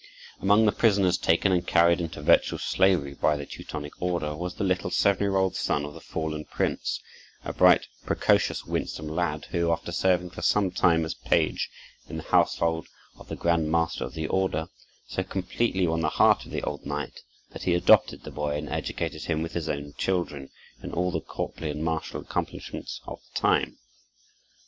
Among the prisoners taken and carried into virtual slavery by the Teutonic Order, was the little seven year old son of the fallen prince—a bright, precocious, winsome lad, who, after serving for some time as page in the household of the grand master of the Order, so completely won the heart of the old knight, that he adopted the boy and educated him with his own children, in all the courtly and martial accomplishments of the time.